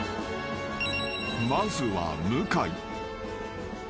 ［まずは向井］